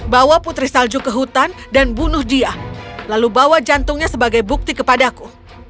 bawa putri salju ke hutan dan bunuh dia lalu bawa jantungnya sebagai bukti kepadaku